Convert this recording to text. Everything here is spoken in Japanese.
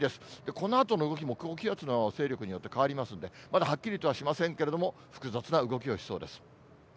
このあとの動きも高気圧の勢力によって変わりますんで、まだはっきりとはしませんけれども、複雑な動きをしそうです。